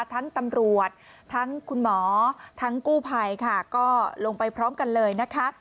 ทั้งตำรวจทั้งคุณหมอทั้งกู้ภัยค่ะก็ลงไปพร้อมกันเลยนะคะ